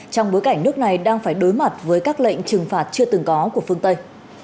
trong bối cảnh nước này đang phải đối mặt với các lệnh trừng phạt chưa từng có của phương tây